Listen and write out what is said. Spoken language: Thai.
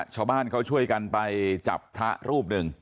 ชาวบ้านเขาช่วยกันไปจับพระรูปหนึ่ง